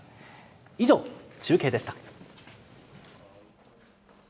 以上、中継でした。